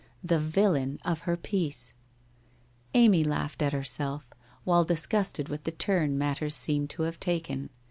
The villain of her piece ! Amy laughed at herself, while disgusted with the turn matters seemed to have taken.